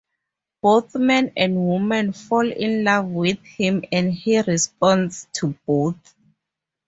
Both men and women fall in love with him and he responds to both.